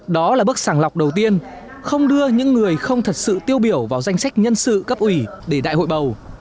đó là bước sàng lọc đầu tiên không đưa những người không thật sự tiêu biểu vào danh sách nhân sự cấp ủy để đại hội bầu